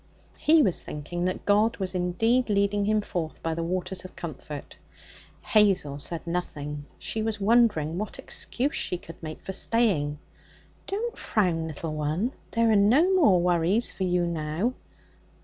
He was thinking that God was indeed leading him forth by the waters of comfort. Hazel said nothing. She was wondering what excuse she could make for staying. 'Don't frown, little one. There are no more worries for you now.'